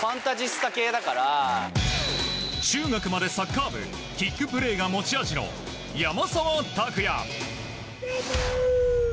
中学までサッカー部キックプレーが持ち味の山沢拓也。